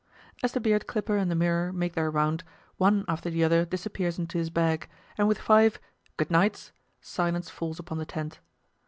As the beard clipper and the mirror make their round, one after the other disappears into his bag, and with five "Good nights," silence falls upon the tent.